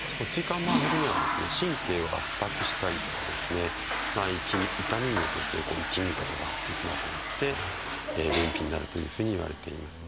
椎間板ヘルニアは神経を圧迫したりとか痛みによっていきむことができなくなって便秘になるというふうにいわれています。